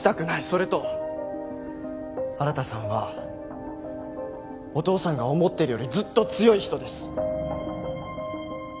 それと新さんはお父さんが思ってるよりずっと強い人です！